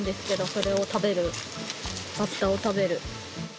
それを食べるバッタを食べる。